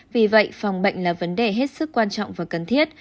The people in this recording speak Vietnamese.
vì vậy phòng bệnh là vấn đề hết sức quan trọng và cần thiết